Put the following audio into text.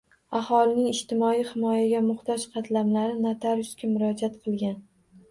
Aholining ijtimoiy himoyaga muhtoj qatlamlari notariusga murojaat qilgan